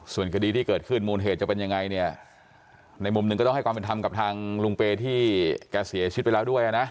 ส่วนคดีที่เกิดขึ้นมูลเหตุจะเป็นยังไงเนี่ยในมุมหนึ่งก็ต้องให้ความเป็นธรรมกับทางลุงเปย์ที่แกเสียชีวิตไปแล้วด้วยนะ